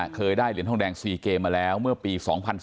เคยได้เหรียญทองแดง๔เกมมาแล้วเมื่อปี๒๐๑๘